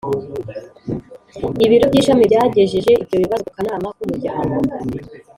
ibiro by ishami byagejeje ibyo bibazo ku kanama k umuryango